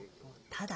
ただ。